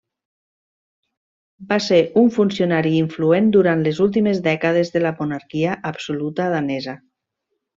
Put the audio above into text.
Va ser un funcionari influent durant les últimes dècades de la monarquia absoluta danesa.